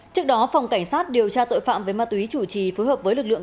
trước đó phòng cảnh sát điều tra tội phạm về ma túy chủ trì phối hợp với lực lượng